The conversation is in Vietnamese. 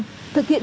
thực hiện nhiệm vụ